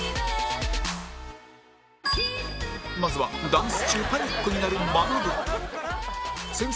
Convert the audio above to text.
まずはダンス中パニックになるまなぶ